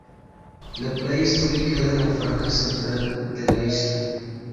La playa está ubicada en la franja central de la isla.